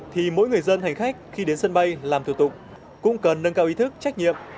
thì mỗi người dân hành khách khi đến sân bay làm thủ tục cũng cần nâng cao ý thức trách nhiệm